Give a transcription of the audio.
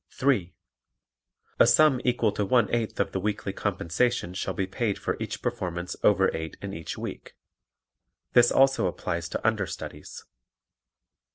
(3) A sum equal to one eighth of the weekly compensation shall be paid for each performance over eight in each week. (This also applies to understudies.)